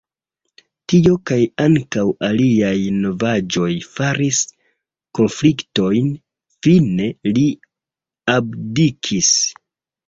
Tio kaj ankaŭ aliaj novaĵoj faris konfliktojn, fine li abdikis.